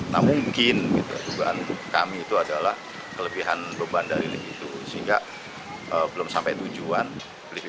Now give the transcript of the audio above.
nah mungkin gitu juga kami itu adalah kelebihan beban dari itu sehingga belum sampai tujuan lift